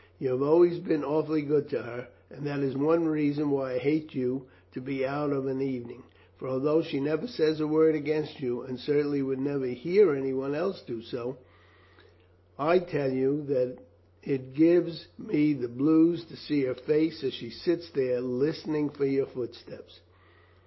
You have always been awfully good to her, and that is one reason why I hate you to be out of an evening; for although she never says a word against you, and certainly would not hear any one else do so, I tell you it gives me the blues to see her face as she sits there listening for your footsteps."